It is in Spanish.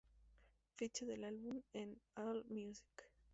Ficha del álbum en Allmusic.